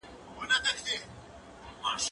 ايا ته وخت تېروې!.